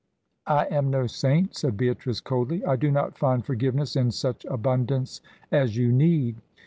"I am no saint," said Beatrice, coldly. "I do not find forgiveness in such abundance as you need."